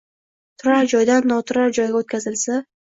Turar joydan noturar joyga oʼtkazilsa